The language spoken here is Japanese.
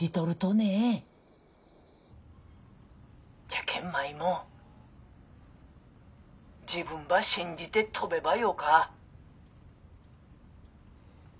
じゃけん舞も自分ば信じて飛べばよか。